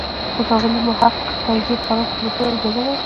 د ښاغلي محق توضیح خورا په زړه پورې او جذابه ده.